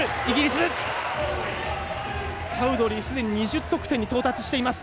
チャウドリー既に２０得点に到達しています。